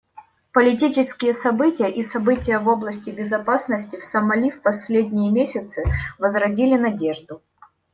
Политические события и события в области безопасности в Сомали в последние месяцы возродили надежду.